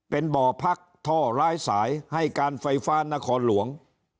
เป็นบ่อพักท่อร้ายสายให้การไฟฟ้านครหลวง